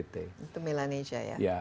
itu melanesia ya